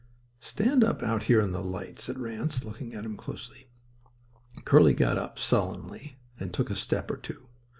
"Stand up out here in the light," said Ranse, looking at him closely. Curly got up sullenly and took a step or two.